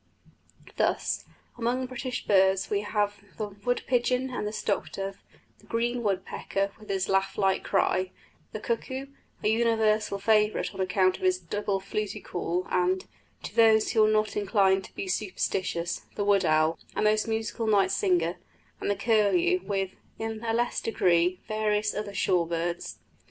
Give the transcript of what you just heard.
Thus, among British birds we have the wood pigeon, and the stock dove; the green woodpecker, with his laugh like cry; the cuckoo, a universal favourite on account of his double fluty call; and (to those who are not inclined to be superstitious) the wood owl, a most musical night singer; and the curlew, with, in a less degree, various other shore birds.